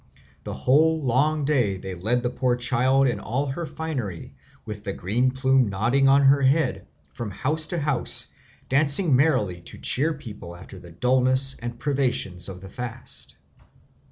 The whole long day they led the poor child in all her finery, with the green plume nodding on her head, from house to house dancing merrily to cheer people after the dulness and privations of the fast.